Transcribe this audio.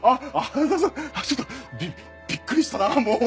ちょっとびびっくりしたなあもう。